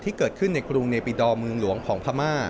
ที่เกิดขึ้นในกรุงเนปิดอร์เมืองหลวงของพม่า